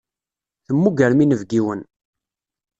Temmugrem inebgiwen.